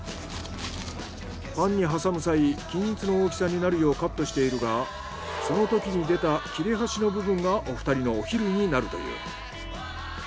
パンに挟む際均一の大きさになるようカットしているがその時に出た切れ端の部分がお二人のお昼になるという。